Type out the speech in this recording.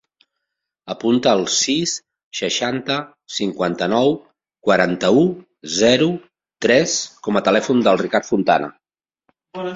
Apunta el sis, seixanta, cinquanta-nou, quaranta-u, zero, tres com a telèfon del Ricard Fontana.